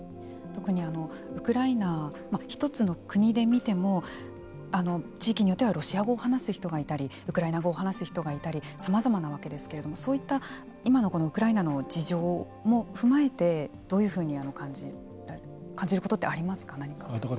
特にウクライナ１つの国で見ても地域によってはロシア語を話す人がいたりウクライナ語を話す人がいたりさまざまなわけですけれどもそういった今のウクライナの事情を踏まえて感じることってありますか。